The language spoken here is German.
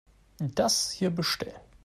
Das hier bestellen.